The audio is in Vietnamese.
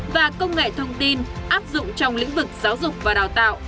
và công nghệ thông tin áp dụng trong lĩnh vực giáo dục và đào tạo